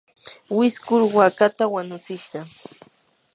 wiskur waakata wanutsishqa.